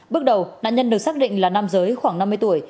bước đầu nạn nhân được xác định là nam giới khoảng năm mươi tuổi